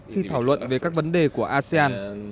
khi thảo luận về các vấn đề của asean